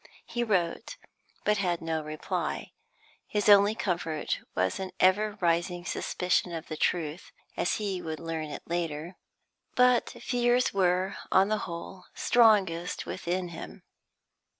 He wrote, but had no reply. His only comfort was an ever rising suspicion of the truth (as he would learn it later), but fears were, on the whole, strongest within him.